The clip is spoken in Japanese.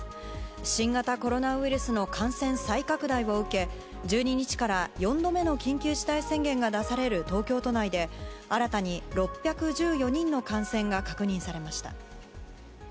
新型コロナウイルスの感染再拡大を受け１２日から４度目の緊急事態宣言が出される東京都内で新たに６１４人の感染が確認されました。